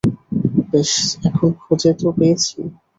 বেশ, এখন খুঁজে তো পেয়েছি।